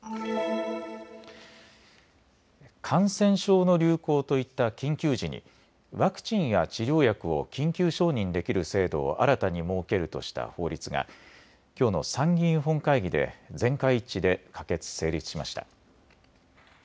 感染症の流行といった緊急時にワクチンや治療薬を緊急承認できる制度を新たに設けるとした法律がきょうの参議院本会議で全会一致で可決・成立しました。